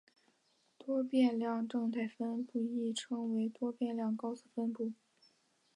多变量正态分布亦称为多变量高斯分布。